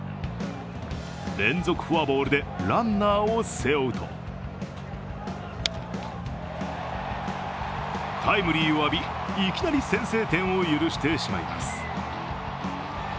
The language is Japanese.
連続フォアボールでランナーを背負うとタイムリーを浴び、いきなり先制点を許してしまいます。